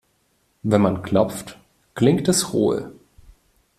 Wenn man klopft, klingt es hohl.